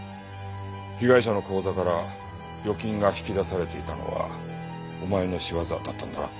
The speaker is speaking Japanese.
被害者の口座から預金が引き出されていたのはお前の仕業だったんだな？